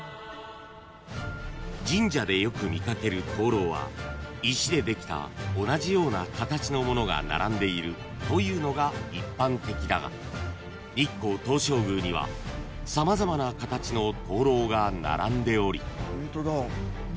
［神社でよく見掛ける灯籠は石でできた同じような形のものが並んでいるというのが一般的だが日光東照宮には様々な形の灯籠が並んでおり］